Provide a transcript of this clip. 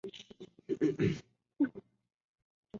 节目要开始了，最好去准备一下。